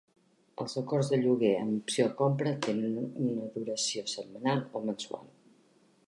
Els acords de lloguer amb opció a compra tenen una duració setmanal o mensual.